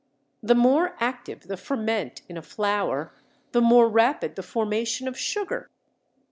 The more active the ferment in a flour the more rapid the formation of sugar.